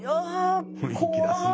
雰囲気出すな。